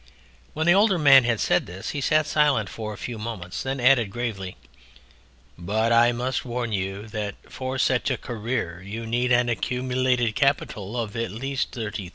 When the Older Man had said this he sat silent for a few moments and then added gravely, "But I must warn you that for such a career you need an accumulated capital of at least £30,000."